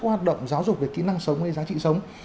các hoạt động giáo dục về kỹ năng sống hay giá trị sống